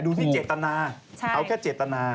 ที่เจตนาเอาแค่เจตนา